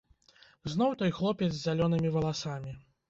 Зноў той хлопец з зялёнымі валасамі!